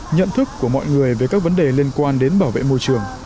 nhận thức của mọi người về các vấn đề liên quan đến bảo vệ môi trường